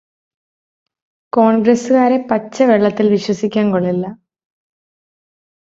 കോൺഗ്രസ്സുകാരെ പച്ചവെള്ളത്തിൽ വിശ്വസിക്കാൻ കൊള്ളില്ല.